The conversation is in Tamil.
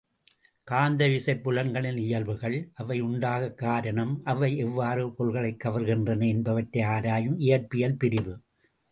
காந்தவிசைப் புலன்களின் இயல்புகள், அவை உண்டாகக் காரணம், அவை எவ்வாறு பொருள்களைக் கவர்கின்றன என்பனவற்றை ஆராயும் இயற்பியல் பிரிவு.